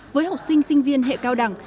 với học sinh sinh viên hệ cao đẳng